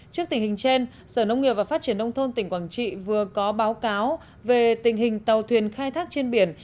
trước tình hình trên sở nông nghiệp và phát triển nông thôn tỉnh quảng trị vừa có báo cáo về tình hình tàu thuyền khai thác trên biển